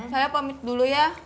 saya pamit dulu ya